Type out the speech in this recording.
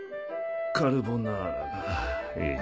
カルボナーラがいい。